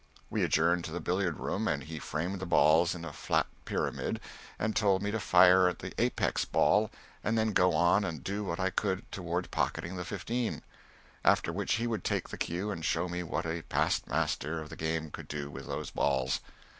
We adjourned to the billiard room and he framed the balls in a flat pyramid and told me to fire at the apex ball and then go on and do what I could toward pocketing the fifteen, after which he would take the cue and show me what a past master of the game could do with those balls.